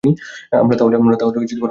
আমরা তাহলে কল্পনার তৈরি!